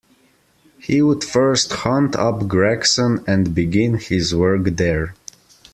He would first hunt up Gregson and begin his work there.